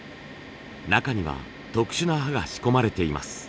中には特殊な刃が仕込まれています。